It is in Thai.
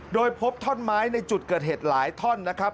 โดยพบท่อนไม้ในจุดเกิดเหตุหลายท่อนนะครับ